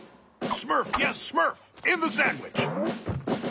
スマーフ！